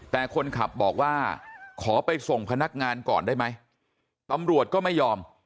แต่คนขับบอกว่าขอไปส่งพนักงานก่อนได้ไหมตำรวจก็ไม่ยอม